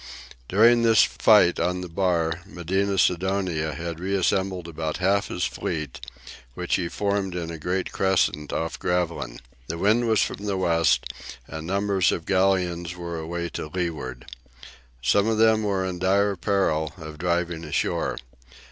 During this fight on the bar Medina Sidonia had reassembled about half his fleet, which he formed in a great crescent off Gravelines. The wind was from the west, and numbers of galleons were away to leeward. Some of them were in dire peril of driving ashore.